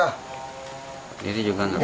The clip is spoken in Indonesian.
berdiri juga tidak bisa